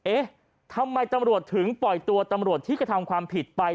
เอ๊ะทำไมตำรวจถึงปล่อยตัวตำรวจที่กระทำความผิดไป